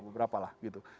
beberapa lah gitu